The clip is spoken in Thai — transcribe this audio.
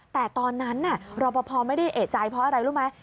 แต่ตอนนั้นรอปภไม่ได้เอกใจเพราะอะไรรู้ไหม